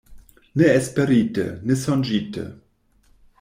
Ne esperite, ne sonĝite.